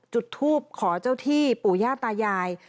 จุดทูปขอเจ้าที่ปู่ย่าตายาย